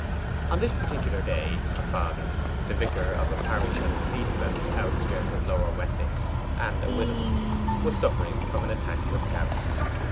On this particular day her father, the vicar of a parish on the sea swept outskirts of Lower Wessex, and a widower, was suffering from an attack of gout.